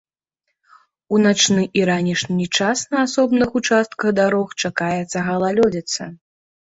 У начны і ранішні час на асобных участках дарог чакаецца галалёдзіца.